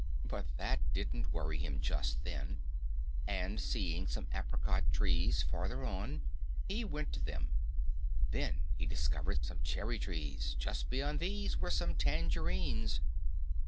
But that didn't worry him just then, and seeing some apricot trees farther on, he went to them. Then he discovered some cherry trees; just beyond these were some tangerines.